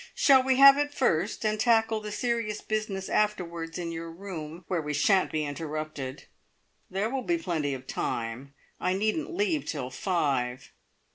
Shall we have it first, and tackle the serious business afterwards in your room, where we shan't be interrupted. There will be plenty of time; I needn't leave till five."